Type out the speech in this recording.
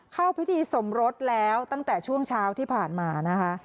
เข้าพิธีสมรสแล้วตั้งแต่ช่วงเช้าที่ผ่านมานะคะ